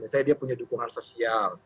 misalnya dia punya dukungan sosial